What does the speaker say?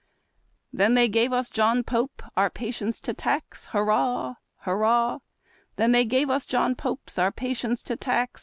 Then they gave us John Pope, our patience to tax. Hurrah ! Hurrah ! Then they gave us John Pope our patience to tax.